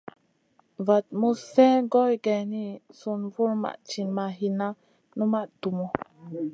Vaɗ muzn slèn goy geyni, sùn vulmaʼ tinʼ ma hinna, numaʼ tumu.